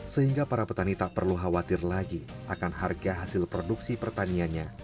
sehingga para petani tak perlu khawatir lagi akan harga hasil produksi pertaniannya